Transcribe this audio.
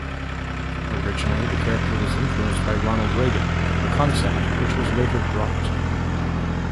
Originally, the character was influenced by Ronald Reagan, a concept which was later dropped.